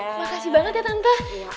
makasih banget ya tante